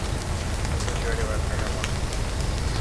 Kupata ushauri wa wataalamu wa mifugo